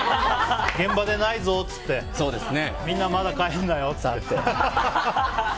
現場で、ないぞって言ってみんな、まだ帰んなよって。